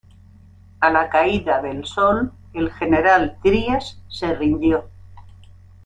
A la caída del sol, el general Trías se rindió.